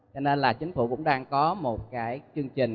cho nên là chính phủ cũng đang có một cái chương trình